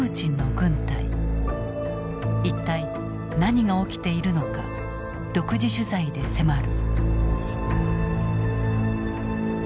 一体何が起きているのか独自取材で迫る。